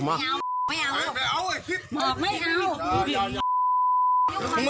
ไม่อยากจะ